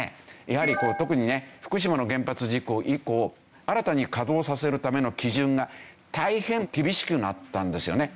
やはりこう特にね福島の原発事故以降新たに稼働させるための基準が大変厳しくなったんですよね。